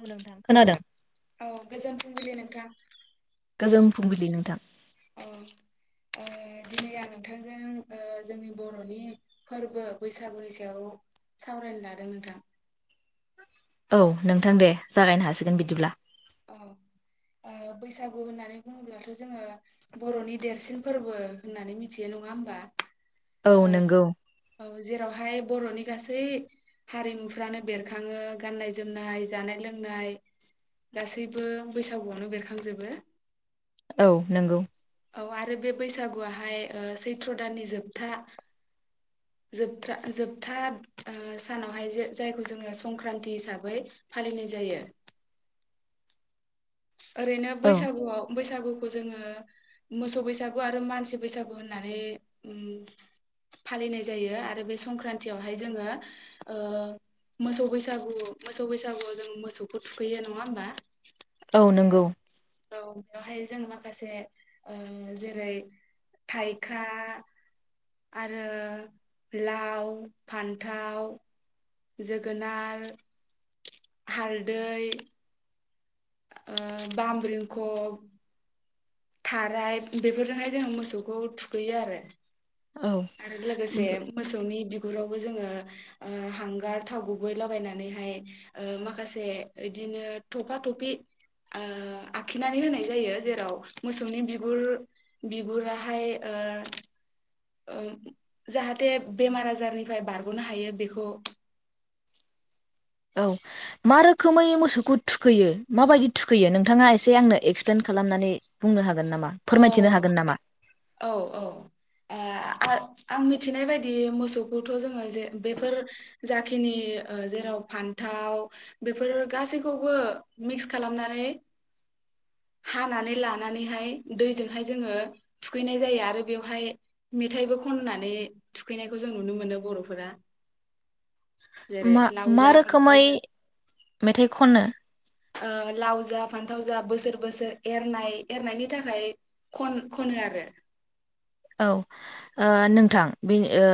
औ नोंथां खोनादों औ गोजोन फुंबिलि नोंथां गोजोन फुंबिलि नोंथां औ ओ दिनै आं नोंथांजों ओ जोंनि बर'नि फोरबो बैसागुनि सायाव सावरायनो लादों नोंथां औ नोंथां दे जागायनो हासिगोन बिदिब्ला औ बैसागु होननानै बुङोब्लाथ' जोङो बर'नि देरसिन फोरबो होननानै मिथियो नङा होमबा औ ओ नंगौ औ जेरावहाय बर'नि गासै गासैबो बैसागुआवनो बेरखांजोबो औ नंगौ औ आरो बे बैसागुवहाय ओ सैथ्र दाननि जोबथा जोबथ्रा जोबथा सानावहाय जे जायखौ जोङो संक्रान्ति हिसाबै फालिनाय जायो। ओरैनो औ बैसागुआव बैस बैसागुखौ जोङो मोसौ बैसागु आरो मानसि बैसागु होननानै फालिनाय ओ जायो आरो बे संक्रान्तियावहाय जोङो मोसौ बैसागु मोसौ बैसागुआव जों मोसौखौ थुखैयो नङा होमबा औ नंगौ ओ बेयावहाय जों माखासे ओ जेरै थाइखा आरो लाव फान्थाव जोगोनार हालदै ओ बामब्रिंख' थाराय बेफोरजोंहाय जोङो मोसौखौ थुखैयो आरो औ आरो लोगोसे मोसौनि बिख बिगुरावबो जोङो हांगार थाव गुबै लगायनानैहाय माखासे इदिनो थफा थफि आखिनानै होनाय जायो जेराव मोसौनि बिगुर बिगुराहाय ओ ओ जाहाथे बेमार आजारनिफ्राय बारग'नो हायो बेखौ औ मा रोखोमै मोसौखौ थुखैयो माबायदि थुखैयो नोंथाङा एसे आंनो एक्सप्लेन खालामनानै बुंनो हागोन नामा फोरमायथिनो हागोन नामा औ-औ-औ आ आं मिथिनाय बायदि मोसौखौथ' जोङो जे बेफोर जाखिनि ओ जेराव फान्थाव बेफोर गासैखौबो मिक्स खालामनानै हानानै लानानैहाय दैजोंहाय जोङो थुखैनाय जायो आरो बेवहाय मेथायाइबो खननानै थुखैनायखौ जों नुनो मोनो बर'फोरा जेरै मा लाव मा जा फान्थाव रोखोमै जा मेथाइ खनो ओ लाव जा फान्थाव जा बोसोर बोसोर एरनाय एरनायनि थाखाय ओमफ्राय खन खनो आरो औ ओ नोंथां बे ओ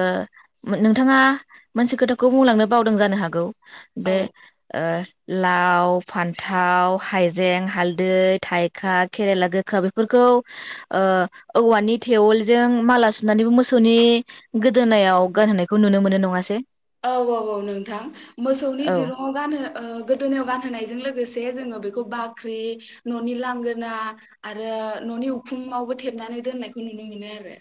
नोंथाङा बे मोनसे खोथाखौ बुंलांनो बावदों जानो हागौ औ बे ओ लाव फान्थाव हाइज जें हालदै औ थाइखा केरेला गोखा बेफोरखौ ओ औवानि थेवोल जों माला सुनानैबो मोसौनि गोदोनायाव गानहोनायखौ नुनो मोनो नङासै औ औ औ नोंथां मोसौनि औ दिरुङाव गानो गोदोनायाव गानहोनायजों लोगोसे जोङो बेखौ बाख्रि ननि लांगोना आरो ननि उखुमावबो थेबनानै दोननायखौ नुनो मोनो आरो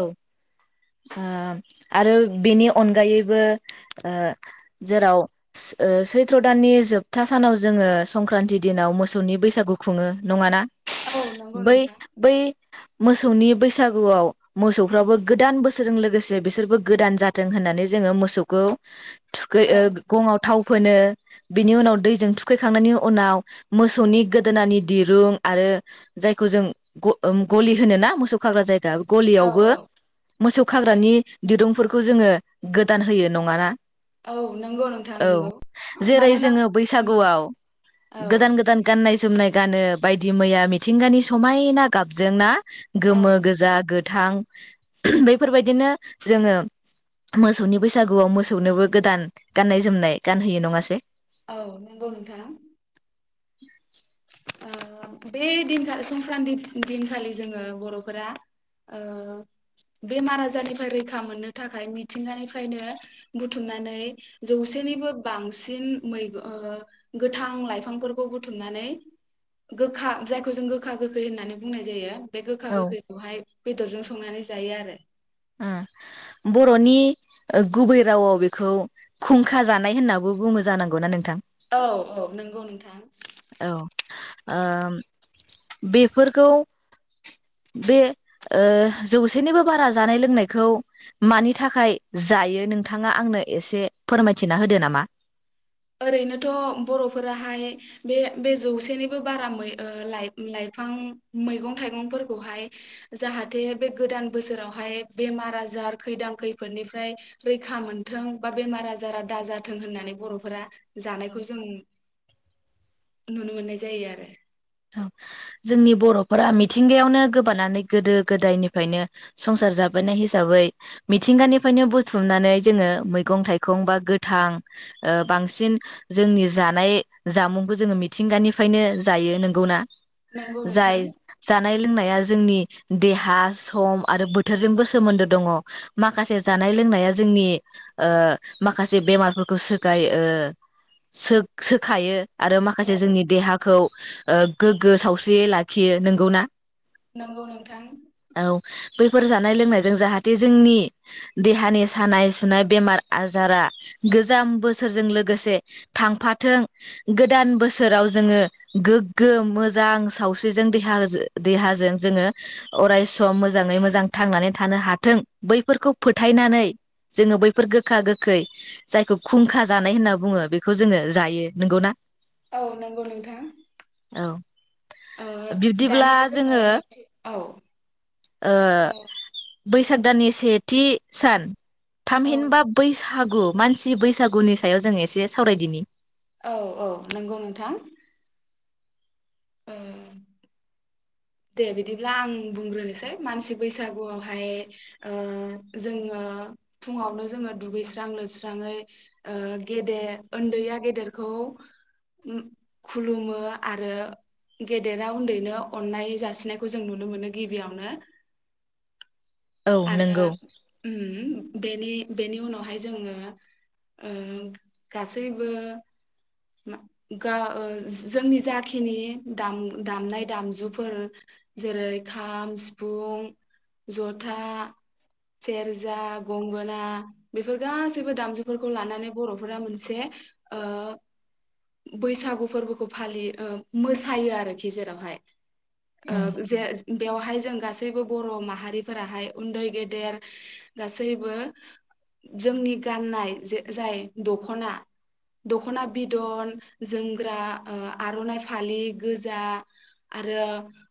औ आरो बेनि अनगायैबो ओ जेराव सैथ्र दाननि जोबथा सानाव जोङो संक्रान्ति दिनाव मोसौनि बैसागु खुङो नङा ना आरो औ नंगौ बै नोंथां बै मोसौनि बैसागुआव मोसौफ्राबो गोदान बोसोरजों लोगोसे बिसोरबो गोदान जाथों होननानै जोङो मोसौखौ थुखै औ ओ गंआव थाव फोनो बेनि उनाव दैजों थुखैखांनायनि उनाव मोसौनि गोदोनानि दिरुं आरो जायखौ जों गलि होनो ना मोसौ खाग्रा जायगा औ गलियावबो मोसौ खाग्रानि दिरुंफोरखौ जोङो गोदान होयो नङा ना औ नंगौ नोंथां औ नंगौ जेरै मानोना जोङो उम बैसागुआव औ गोदान गोदान गाननाय जोमनाय गानो बायदि मैया मिथिंगानि समायना गाबजों ना औ गोमो गोजा गोथ थां बैफोरबायदिनो जोङो मोसौनि बैसागुआव मोसौनोबो गोदान गाननाय जोमनाय गानहोयो नङासै औ नंगौ नोंथां [inaudible] बे दिनखा संक्रान्ति दिनखालि जोङो बर'फोरा ओ बेमार आजारनिफ्राय रैखा मोननो थाखाय मिथिंगानिफ्रायनो बुथुमनानै जौसेनिबो बांसिन मैगं ओ गोथां लाइफांफोरखौ बुथुमनानै गोखा जायखौ जों गोखा गोखै होननानै बुंनाय जायो बे गोखा उम गोखैखौहाय बेदरजों संनानै जायो आरो उम बर'नि गुबै रावआव बेखौ खुंखा जानाय होननाबो बुङो जानांगौ ना नोंथां औ औ नंगौ नोंथां ओ बेफोरखौ बे जौसेनिबो बारा जा जानाय लोंनायखौ मानि थाखाय जायो नोंथाङा आंनो एसे फोरमायथिना होदो नामा ओरैनोथ बर'फोराहाय बे बे जौसेनिबो बाराै लाइफां मैगं थाइगंफोरखौहाय जाहाथे बे गोदान बोसोरावहाय बेमार आजार खैदां खैफोदनिफ्राय रैखा मोनथों बा बेमार आजारा दाजाथों होननानै बर'फोरा जानायखौ जों नुनो मोननाय जायो आरो जोंनि बर'फोरा मिथिंगायावनो गोबानानै गोदो गोदायनिफ्रायनो संसार जाबोनाय हिसाबै मिथिंगानिफ्रायनो बुथुमनानै जोङो मैगं थाइगं बा गोथां बांसिन जोंनि जानाय जामुंखौ जोङो मिथिंगानिफ्रायनो जायो नों नंगौ ना नंगौ नोंथां जानाय लोंनाया जोंनि देहा सम आरो बोथोरजोंबो सोमोन्दो दङ माखासे जानाय लोंनाया जोंनि ओ माखासे बेमारफोरखौ सो सोखायो आरो माखासे औ जोंनि देहाखौ ओ गोग्गो सावस्रि लाखियो नोंगौ ना नंगौ नोंथां बैफोर जानाय लोंनायजों जाहाथे जोंनि देहानि सानाय सुनाय बेमार आजारा गोजाम बोसोरजों लोगोसे थांफाथों गोदान बोसोराव जोङो गोग गो मोजां सावस्रिजों देहा देहाजों जोङो अरायसम मोजाङै मोजां थांनानै थानो हाथों बैफोरखौ फोथायनानै जोङो बैफोर गोखा गोखै जायखौ खुंखा जानाय होनना बुङो बेखौ जोङो जायो नंगौ ना औ नंगौ नोंथां औ ओ बिब्दिब्ला दानिया जोङो नैथि औ औ बैसाग दाननि सेथि सान थामहिनबा बै हागु मानसि बैसागुनि सायाव जों एसे सावरायदिनि। औ औ नोंगौ नोंथां। ओ दे बिदिब्ला आं बुंग्रोनोसै मानसि बैसागुआवहाय ओ जोङो फुङावनो जोङो दुगैस्रां लोबस्राङै ओ गेदेर ओन्दैया गेदेरखौ खुलुमो आरो गेदेरा उन्दैनो अननाय जासिनायखौ जों नुनो मोनो गिबियावनो। औ आरो नंगौ उम बेनि बेनि उनावहाय जोङो ओ गासैबो मा-गा-जोंनि जाखिनि दाम-दामनाय दामजुफोर जेरै खाम सिफुं जथा सेरजा गंगोना बेफोर गासैबो दामजुफोरखौ लानानै बर'फोरा मोनसे ओ बैसागु फोरबोखौ फालियो ओ मोसायो आरोखि जेरावहाय ओं ओ जे बेवहाय जों गा सैबो बर' माहारिफोराहाय उन्दै गेदेर गासैबो जोंनि गाननाय जे जाय दख'ना दख'ना बिदन जोमग्रा ओ आर'नाइ फालि गोजा आरो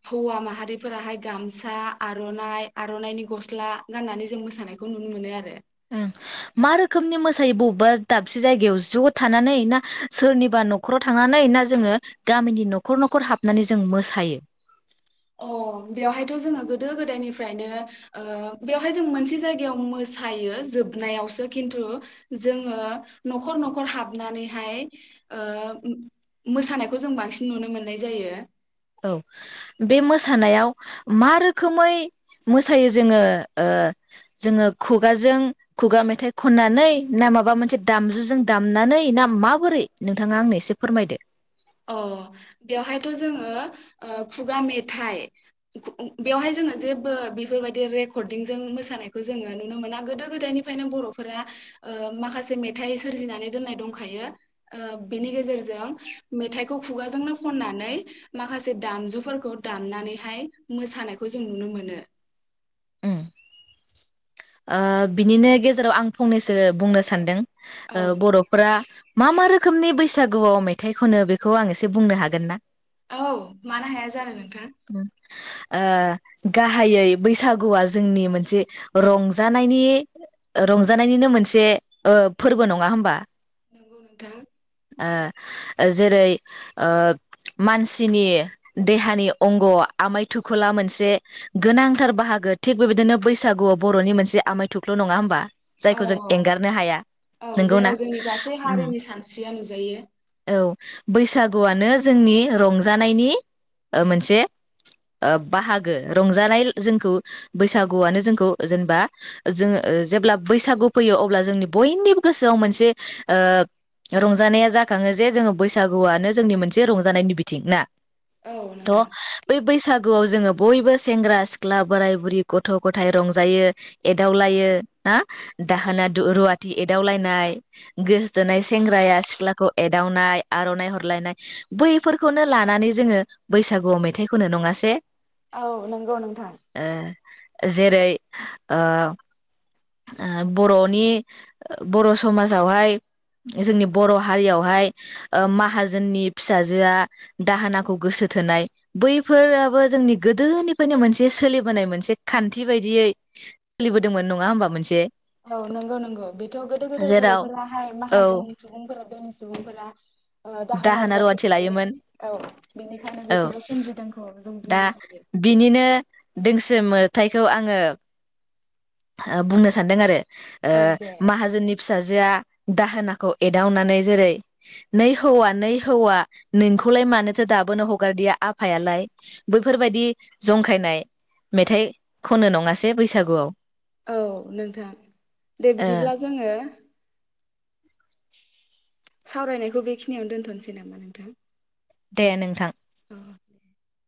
हौवा माहारिफोराहाय गामसा आर'नाइ आर'नाइनि गस्ला गाननानै जों मोसानायखौ नुनो मोनो आरो। ओं मा रोखोमनि मोसायो बबेबा दाबसे जायगायाव ज' थानानै ना सोरनिबा न'खराव थांनानै ना जोङो गामिनि न'खर न'खर हाबनानै जों मोसायो? अ बेवहायथ' जोङो गोदो गोदायनिफ्रायनो ओ बेवहाय जों मोनसे जायगायाव मोसायो जोबनायावसो खिन्थु जोङो न'खर न'खर हाबनानैहाय ओ मोसानायखौ जों बांसिन नुनो मोननाय जायो। औ बे मोसानायाव मा रोखोमै मोसायो जोङो ओ जोङो खुगाजों खुगा मेथाइ खननानै ना माबा मोनसे दामजुजों दामनानै ना माबोरै नोंथाङा आंनो एसे फोरमायदो। अ बेवहायथ' जोङो ओ खुगा मेथाइ बेवहाय जोङो जेबो बेफोरबायदि रेकर्डिंजों मोसानायखौ जोङो नुनो मोना गोदो गोदायनिफ्रायनो बर'फोरा ओ माखासे मेथाइ सोरजिनानै दोननाय दंखायो ओ बेनि गेजेरजों मेथाइखौ खुगाजोंनो खननानै माखासे दामजुफोरखौ दामनानैहाय मोसानायखौ जों नुनो मोनो ओ बिनिनो गेजेराव आं फंनैसो बुंनो सानदों। औ ओ नोंथां बर'फ्रा मा मा रोखोमनि बैसागुआव मेथाइ खनो बेखौ आं एसे बुंनो हागोन ना? औ मानो हाया जानो नोंथां। ओ गाहायै बैसागुआ जोंनि मोनसे रंजानायनि रंजानायनिनो मोनसे ओ फोरबो नङा होमबा? नंगौ नोंथां। ओ जेरै ओ मानसिनि देहानि अंग' आमाय थुखला मोनसे गोनांथार बाहागो थिग बेबायदिनो बैसागु बर'नि मोनसे आमाय थुख्ल' नङा होमबा? औ जायखौ जों औ एंगारनो हाया औ नोंगौना? जेराव जोंनि गासै उम हारिनि सानस्रिया नुजायो औ बैसागुआनो जोंनि रंजानायनि ओ मोनसे ओ बाहागो रंजानाय जोंखौ बैसागुआनो जोंखौ जेनेबा जोङो जेब्ला बैसागु फैयो अब्ला जोंनि बयनिबो गोसोआव मोनसे ओ रंजानाया जाखाङो जे जोङो बैसागुआनो जोंनि मोनसे रंजानायनि बिथिं ना? औ थ नोंथां बै बैसाग गुआव जोङो बयबो सेंग्रा सिख्ला बोराय बुरि गथ' गथाइ रंज जायो एदावलायो ना? दाहोना दु-रुवाथि एदावलायनाय गोसोथोनाय सेंग्राया सिख्लाखौ एदावनाय आर'नाइ हरलायनाय बैफोरखौनो लानानै जोङो बैसागुआव मेथाइ खनो नङासे? औ नोंगौ नोंथां। जेरै ओ ओ बर'नि बर' समाजावहाय जोंनि बर' हारियावहाय ओ माहाजोननि फिसाजोआ दाहोनाखौ गोसो थोनाय बैफोराबो जोंनि गोदोनिफ्रायनो मोनसे सोलिबोनाय मोनसे खान्थि बायदियै सोलिबोदोंमोन नङा होमबा मोनसे? औ नोंगौ नोंगौ बेथ' गोदो गोदाय जेराव बर'फोराहाय औ माहाजोननि सुबुंफोरा दोहोनि सुबुंफोरा ओ दाहोना रुवाथि लायोमोन औ बेनिखायनो औ बेखौ सोमजिदोंखौ जों दा बुंनो हायो। बिनिनो दोंसे मोथाइखौ [inaudible] ओ बुंनो सानदों आरो। ओ औ दे माहाजोननि फिसाजोआ दाहोनाखौ एदावनानै जेरै नै हौवा नै हौवा नोंखौलाय मानोथो दाबोनो हगारदिया आफायालाय बैफोरबायदि जंखायनाय मेथाइ खनो नङासै बैसागुआव? औ नोंथां दे ओ बिदिब्ला जोङो [inaudible] सावरायनायखौ बेखिनियावनो दोनथनोसै नामा नोंथां? दे नोंथां। औ